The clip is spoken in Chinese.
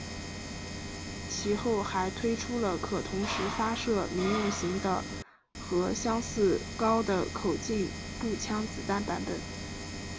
其后还推出了可同时发射民用型的和相似高的口径步枪子弹版本。